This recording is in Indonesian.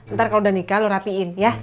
ntar kalau udah nikah lo rapiin ya